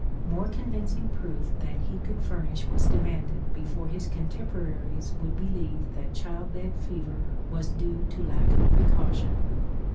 More convincing proof than he could furnish was demanded before his contemporaries would believe that child bed fever was due to lack of precaution.